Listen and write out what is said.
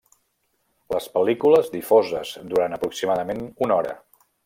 Les pel·lícules difoses duren aproximadament una hora.